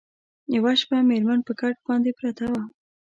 یوه شپه مېرمن پر کټ باندي پرته وه